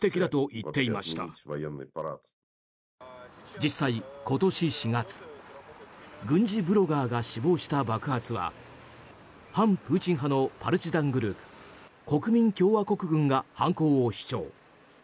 実際、今年４月軍事ブロガーが死亡した爆発は反プーチン派のパルチザングループ国民共和国軍が犯行を主張。